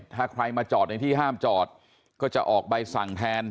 ถ้าใครมาจอดในที่ห้ามจอดก็จะออกใบสั่งแทน